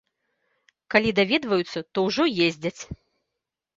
Калі даведваюцца, то ўжо ездзяць.